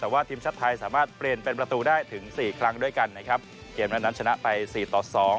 แต่ว่าทีมชาติไทยสามารถเปลี่ยนเป็นประตูได้ถึงสี่ครั้งด้วยกันนะครับเกมนั้นชนะไปสี่ต่อสอง